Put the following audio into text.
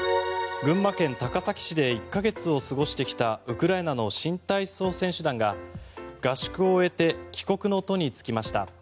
群馬県高崎市で１か月を過ごしてきたウクライナの新体操選手団が合宿を終えて帰国の途に就きました。